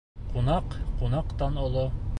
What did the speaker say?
Ҡунаҡ ҡунаҡтан оло.